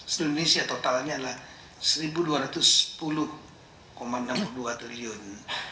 seluruh indonesia totalnya adalah rp satu dua ratus sepuluh enam puluh dua triliun